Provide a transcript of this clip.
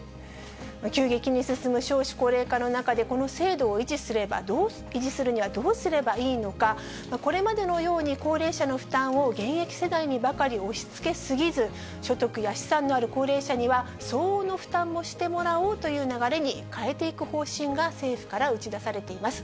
急激に進む少子高齢化の中で、この制度を維持するにはどうすればいいのか、これまでのように高齢者の負担を現役世代にばかり押しつけ過ぎず、所得や資産のある高齢者には相応の負担もしてもらおうという流れに変えていく方針が政府から打ち出されています。